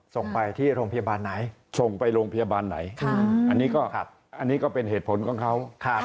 ส่งไปที่โรงพยาบาลไหนส่งไปโรงพยาบาลไหนอันนี้ก็อันนี้ก็เป็นเหตุผลของเขา